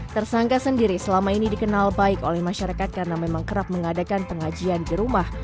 tersangka sendiri selama ini dikenal baik oleh masyarakat karena memang kerap mengadakan pengajian di rumah